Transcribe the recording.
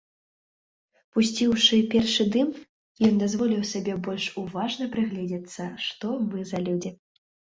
Пусціўшы першы дым, ён дазволіў сабе больш уважна прыгледзецца, што мы за людзі.